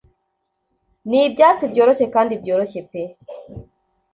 Nibyatsi byoroshye kandi byoroshye pe